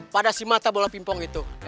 pada si mata bola pimpong itu